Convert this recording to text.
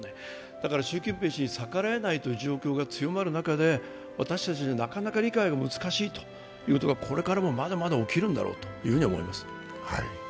だから、習近平氏に逆らえないという状況が強まる中で私たちではなかなか理解が難しいということがこれからもまだまだ起きるんだろうというふうに思います